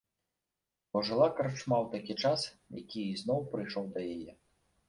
Бо жыла карчма ў такі час, які ізноў прыйшоў да яе.